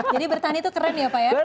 bertani itu keren ya pak ya